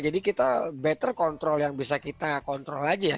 jadi kita better kontrol yang bisa kita kontrol aja ya